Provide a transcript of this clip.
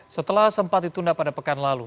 setelah sempat ditunda pada pekan lalu